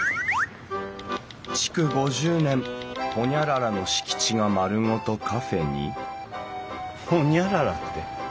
「築５０年『ホニャララ』の敷地が丸ごとカフェに」ホニャララって。